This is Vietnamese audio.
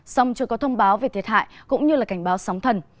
song chưa có thông báo về thiệt hại cũng như cảnh báo sóng thần